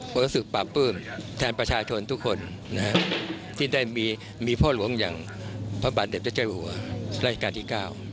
ผมรู้สึกปราบปื้มแทนประชาชนทุกคนที่ได้มีพ่อหลวงอย่างพระบาทเด็จพระเจ้าหัวราชการที่๙